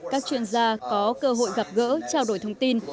các chuyên gia có cơ hội gặp gỡ trao đổi thông tin